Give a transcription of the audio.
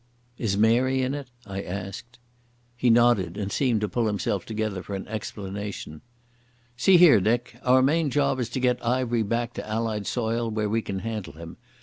"Is Mary in it?" I asked. He nodded and seemed to pull himself together for an explanation. "See here, Dick. Our main job is to get Ivery back to Allied soil where we can handle him.